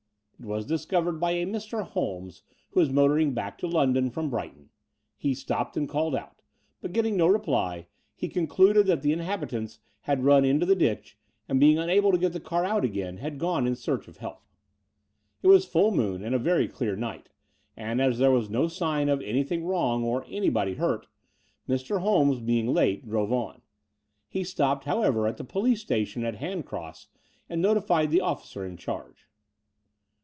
It was discovered by a Mr. Holmes, who was motoring back to London from Brighton. He stopped and called out; but, getting no reply, he concluded that the occupants had nm into the ditch and, being tmable to get the car out again, had gone in search of help. It was ftdl moon and a very clear night: and, as there was no sign of anything wrong or anybody hurt, Mr. Holmes, being late, drove on. He stopped, however, at the police station at Hand cross and notified the officer in charge.